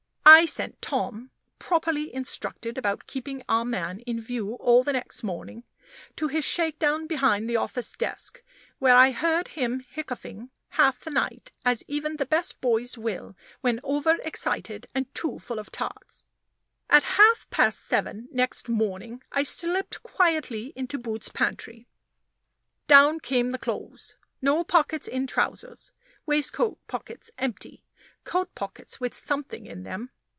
I sent Tom (properly instructed about keeping our man in view all the next morning) to his shake down behind the office desk, where I heard him hiccoughing half the night, as even the best boys will, when over excited and too full of tarts. At half past seven next morning, I slipped quietly into Boots's pantry. Down came the clothes. No pockets in trousers. Waistcoat pockets empty. Coat pockets with something in them.